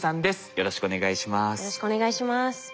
よろしくお願いします。